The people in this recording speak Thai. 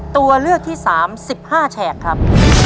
ตัวเลือกที่๓๑๕แฉกครับ